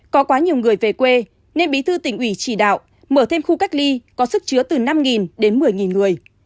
có quá nhiều người về quê nên bí thư tỉnh ủy chỉ đạo mở thêm khu cách ly có sức chứa từ năm đến một mươi người